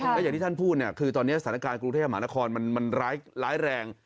และอย่างที่ท่านพูดเนี่ยคือตอนนี้สถานการณ์กรุงเทพหมานครมันร้ายแรง